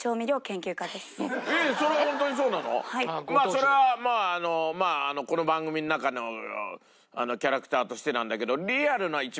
それはまああのまあこの番組の中のキャラクターとしてなんだけど。